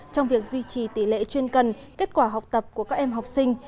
trong việc duy trì tỷ lệ chuyên cần kết quả học tập của các em học sinh